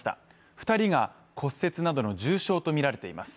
２人が骨折などの重傷とみられています。